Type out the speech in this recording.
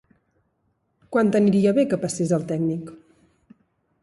Quan t'aniria bé que passés el tècnic?